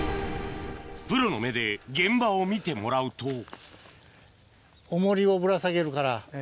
プロの目で現場を見てもらうとオモリをぶら下げるから。